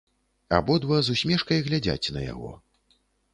Абодва з усмешкай глядзяць на яго.